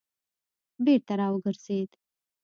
بېرته را وګرځېد.